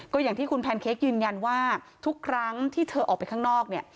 ก็อย่างที่คุณแพนเค้กยืนยันว่าทุกครั้งที่เธอออกไปข้างนอกเนี่ย